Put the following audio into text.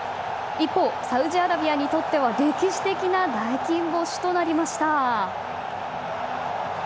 一方、サウジアラビアにとっては歴史的な大金星となりました。